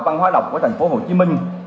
văn hóa độc của thành phố hồ chí minh